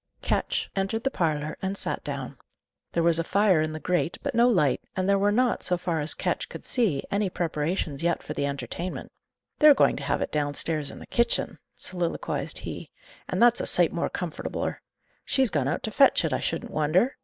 Ketch entered the parlour, and sat down. There was a fire in the grate, but no light, and there were not, so far as Ketch could see, any preparations yet for the entertainment. "They're going to have it downstairs in the kitchen," soliloquized he. "And that's a sight more comfortabler. She's gone out to fetch it, I shouldn't wonder!"